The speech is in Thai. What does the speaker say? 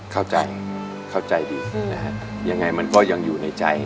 เข้าใจเข้าใจดีนะฮะยังไงมันก็ยังอยู่ในใจ